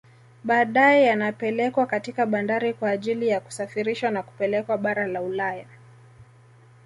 Badae yanapelekwa katika bandari kwa ajili ya kusafirishwa na kupelekwa bara la Ulaya